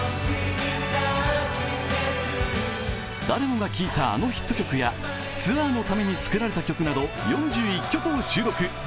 誰もが聞いたあのヒット曲やツアーのために作られた曲など４１曲を収録。